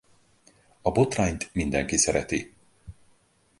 A botrányt mindenki szereti.